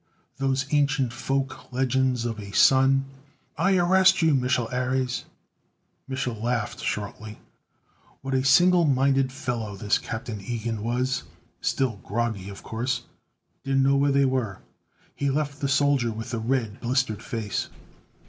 Those ancient folk legends of a Sun "I arrest you, Mich'l Ares!" Mich'l laughed shortly. What a single minded fellow this Captain Ilgen was! Still groggy, of course. Didn't know where they were. He left the soldier with the red, blistered face.